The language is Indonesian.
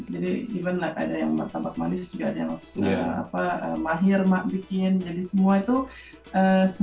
jadi even lah kayak ada yang makan di sini atau makan di sana ya itu juga sangat banyak ya ya jadi kita harus bisa tahu yang mana kita bisa membuatnya gitu ya ya mbak ya